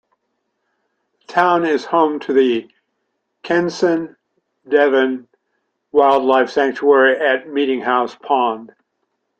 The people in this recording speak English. The town is home to the Kensan-Devan Wildlife Sanctuary at Meetinghouse Pond.